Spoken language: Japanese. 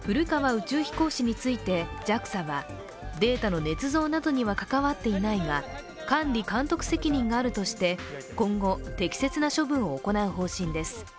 宇宙飛行士についてＪＡＸＡはデータのねつ造などには関わっていないが管理監督責任があるとして今後、適切な処分を行う方針です。